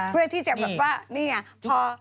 เพื่อที่จะแบบว่านี่ไงพอ